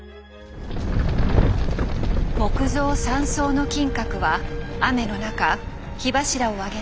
木造３層の金閣は雨の中火柱を上げて